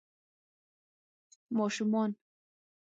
ماشومان